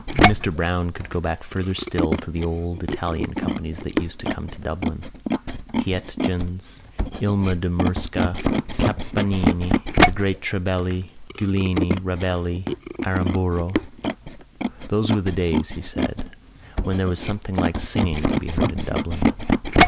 Mr Browne could go back farther still, to the old Italian companies that used to come to Dublin—Tietjens, Ilma de Murzka, Campanini, the great Trebelli, Giuglini, Ravelli, Aramburo. Those were the days, he said, when there was something like singing to be heard in Dublin.